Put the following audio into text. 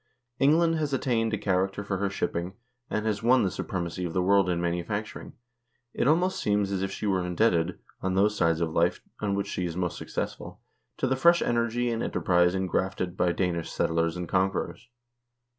England has attained a character for her shipping and has won the suprem acy of the world in manufacturing ; it almost seems as if she were indebted, on those sides of life on which she is most successful, to the fresh energy and enterprise ingrafted by Danish settlers and conquerors.